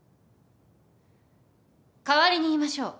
代わりに言いましょう。